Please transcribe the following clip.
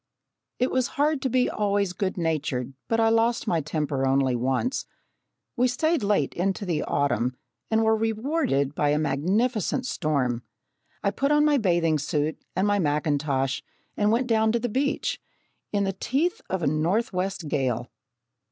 It was hard to be always good natured, but I lost my temper only once. We stayed late into the autumn and were rewarded by a magnificent storm. I put on my bathing suit and my mackintosh and went down to the beach, in the teeth of a northwest gale.